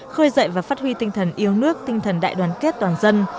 khơi dậy và phát huy tinh thần yêu nước tinh thần đại đoàn kết toàn dân